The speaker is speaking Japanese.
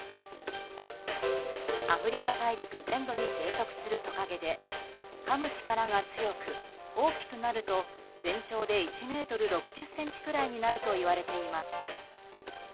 アフリカ大陸全土に生息するトカゲでかむ力が強く大きくなると、全長で１ｍ６０ｃｍくらいになるといわれています。